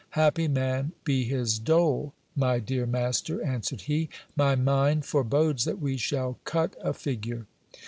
Happy man be his dole, my dear master, answered he : my mind forebodes that we shall cut a figure.